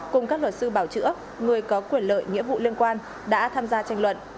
cùng các luật sư bảo chữa người có quyền lợi nghĩa vụ liên quan đã tham gia tranh luận